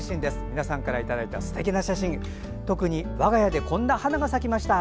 皆さんからいただいたすてきな写真特に我が家でこんな花が咲きました。